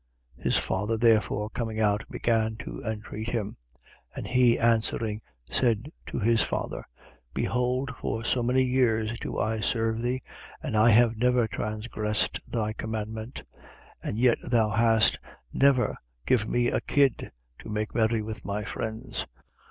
His father therefore coming out began to entreat him. 15:29. And he answering, said to his father: Behold, for so many years do I serve thee and I have never transgressed thy commandment: and yet thou hast never given me a kid to make merry with my friends.